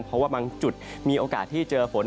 เพราะว่าบางจุดมีโอกาสที่เจอฝน